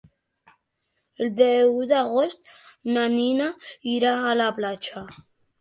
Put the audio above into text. El deu d'agost na Nina irà a la platja.